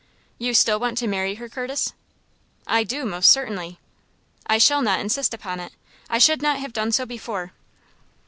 "You still want to marry her, Curtis?" "I do, most certainly." "I shall not insist upon it. I should not have done so before."